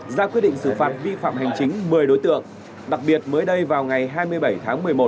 ra quyết định xử phạt vi phạm hành chính một mươi đối tượng đặc biệt mới đây vào ngày hai mươi bảy tháng một mươi một